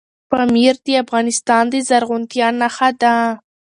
پامیر د افغانستان د زرغونتیا نښه ده.